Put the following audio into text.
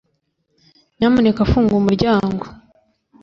nyamuneka funga umuryango